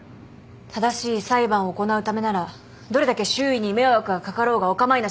正しい裁判を行うためならどれだけ周囲に迷惑が掛かろうがお構いなし。